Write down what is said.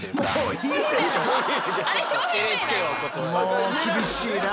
もう厳しいな。